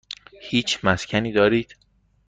هیچ مسکنی دارید؟